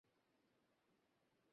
এটাই আসল আমি!